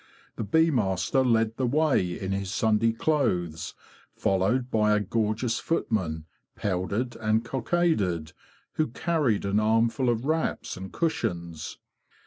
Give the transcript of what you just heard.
The bee master led the way in his Sunday clothes, followed by a gorgeous footman, powdered and cockaded, who carried an armful of wraps and cushions.